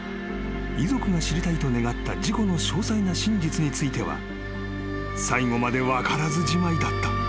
［遺族が知りたいと願った事故の詳細な真実については最後まで分からずじまいだった］